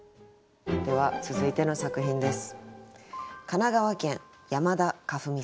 では続いての作品です。